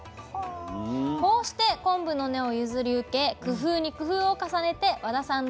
こうして昆布の根を譲り受け工夫に工夫を重ねて和田さん